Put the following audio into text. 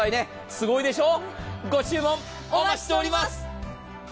すごいでしょ、ご注文お待ちしております。